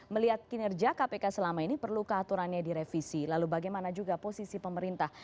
melihat kinerja kpk selama ini perlu kehaturannya direvisi lalu bagaimana juga posisi pemerintah